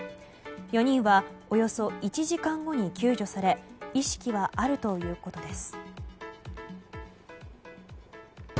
４人はおよそ１時間後に救助され意識はあるということです。